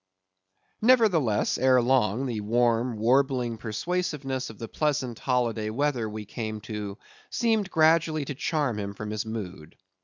Nevertheless, ere long, the warm, warbling persuasiveness of the pleasant, holiday weather we came to, seemed gradually to charm him from his mood.